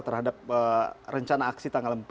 terhadap rencana aksi tanggal empat